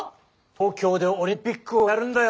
東京でオリンピックをやるんだよ。